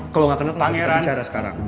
kalo gak kenal kita bicara sekarang